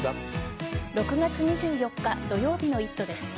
６月２４日土曜日の「イット！」です。